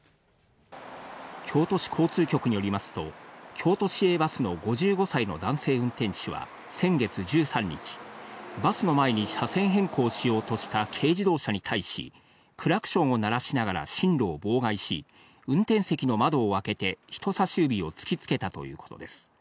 京都市交通局によりますと、京都市営バスの５５歳の男性運転手は先月１３日、バスの前に車線変更しようとした軽自動車に対し、クラクションを鳴らしながら進路を妨害し、運転席の窓を開けて人さし指を突きつけたということです。